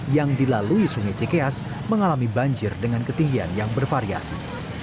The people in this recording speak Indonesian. yang dilalui sungai cikeas mengalami banjir dengan ketinggian yang bervariasi